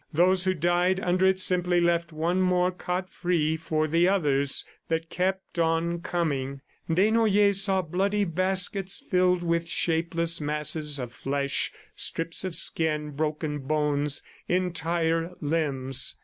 Those who died under it simply left one more cot free for the others that kept on coming. Desnoyers saw bloody baskets filled with shapeless masses of flesh, strips of skin, broken bones, entire limbs.